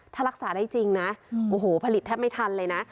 ถ้ารักษาได้จริงนะโอ้โหผลิตแทบไม่ทันเลยนะ